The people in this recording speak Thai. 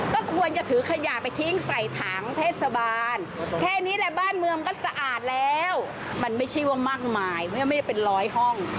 ก็ควรจะถือขยะไปทิ้งใส่ถังเทศบาลแค่นี้แหละบ้านเมืองก็สะอาดแล้วมันไม่ใช่ว่ามากมายไม่ได้เป็นร้อยห้อง